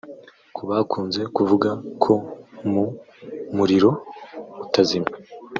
Ku bakunze kuvuga ko mu muriro utazima